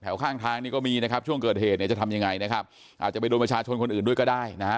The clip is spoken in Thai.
ข้างทางนี่ก็มีนะครับช่วงเกิดเหตุเนี่ยจะทำยังไงนะครับอาจจะไปโดนประชาชนคนอื่นด้วยก็ได้นะฮะ